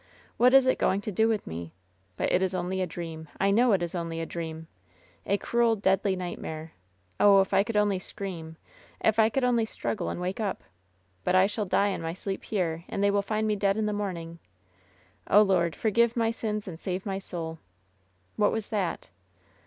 What is it going to do with me ? But it is only a dream. I know it is only a dream. A cruel, deadly nightmare. Oh, if I could only scream. If I could only struggle and wake up. But I shall die in my sleep here, and they will find me dead in the morn ing. Oh, Lord, forgive my sins and save my soul. What was that?"